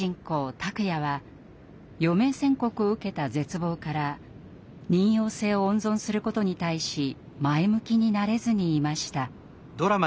拓哉は余命宣告を受けた絶望から妊よう性を温存することに対し前向きになれずにいました。